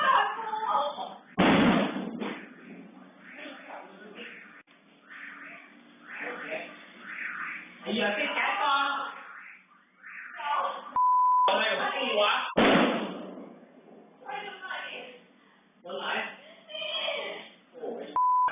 บ้าไงไอ้พ่อ